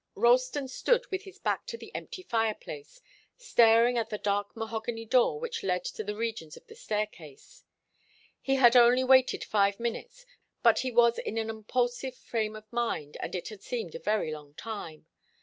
Ralston stood with his back to the empty fireplace, staring at the dark mahogany door which led to the regions of the staircase. He had only waited five minutes, but he was in an impulsive frame of mind, and it had seemed a very long time.